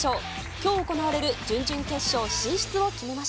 きょう行われる準々決勝進出を決